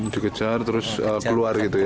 dikejar terus keluar gitu ya